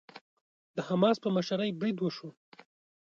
د حماس په مشرۍ بريد وشو.